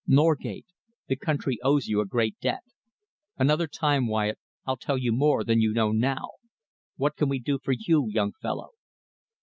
Norgate, the country owes you a great debt. Another time, Wyatt, I'll tell you more than you know now. What can we do for you, young fellow?"